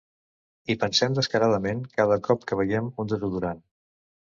Hi pensem descaradament cada cop que veiem un desodorant.